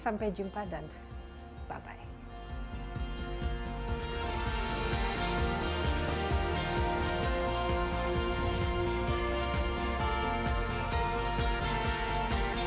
sampai jumpa dan bye bye